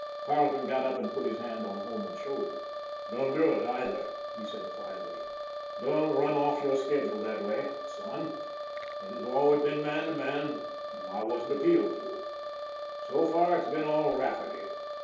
Carleton got up and put his hand on Holman's shoulder. " Don't do it, either," he said quietly. " Don't run off your schedule that way, son. It has 8 ON THE IRON AT BIG CLOUD always been man to man, and I wasn't appealed to. So far it has been all Rafferty.